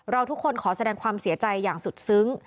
ทุกคนขอแสดงความเสียใจอย่างสุดซึ้ง